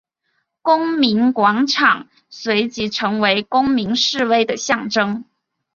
公民广场随即成为公民示威的象征。